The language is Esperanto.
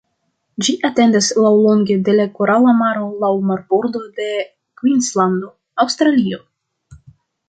Ĝi etendas laŭlonge de la Korala Maro laŭ marbordo de Kvinslando, Aŭstralio.